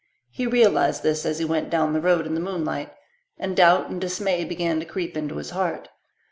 He realized this as he went down the road in the moonlight, and doubt and dismay began to creep into his heart.